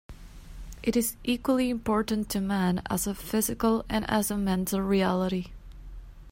It is equally important to man as a physical and as a mental reality.